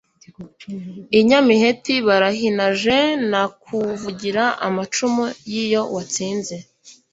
I Nyamiheti warahinaje Nakuvugira amacumu y’iyo watsinze,